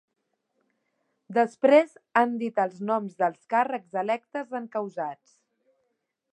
Després han dit els noms dels càrrecs electes encausats.